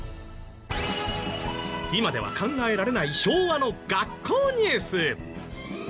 今では考えられない昭和の学校ニュース。